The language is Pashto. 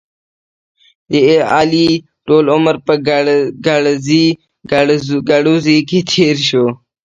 د علي ټول عمر په ګړزې ګړوزې کې تېر شو.